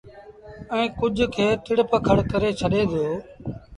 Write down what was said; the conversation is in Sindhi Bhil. ائيٚݩٚ ڪجھ کي ٽڙ پکڙ ڪري ڇڏي دو۔